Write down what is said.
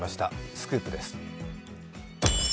スクープです。